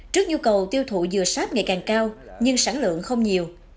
trước nhu cầu tiêu thụ dừa sáp ngày càng cao nhưng sản lượng không nhiều